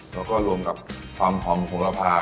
แล้วก็รวมกับความหอมโขลภา